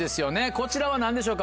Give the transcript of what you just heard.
こちらは何でしょうか？